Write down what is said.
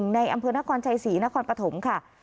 ในอำเภอนครชัยศรีนครปฐมค่ะ